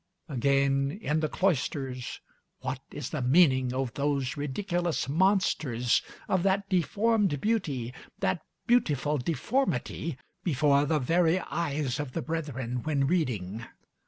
Again, in the cloisters, what is the meaning of those ridiculous monsters, of that deformed beauty, that beautiful deformity, before the very eyes of the brethren when reading?